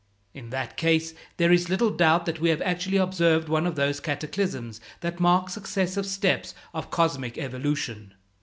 In that case there is little doubt that we have actually observed one of those cataclysms that mark successive steps of cosmic evolution.